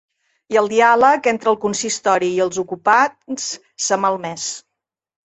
I el diàleg entre el consistori i els ocupants s’ha malmès.